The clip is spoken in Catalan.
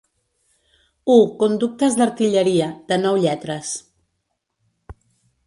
U Conductes d'artilleria, de nou lletres.